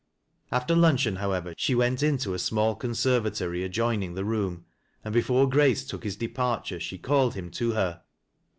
After luncheon, however, she ^ent into a small conservatory adjoining the room, and before Grace took his departure, she called him to her.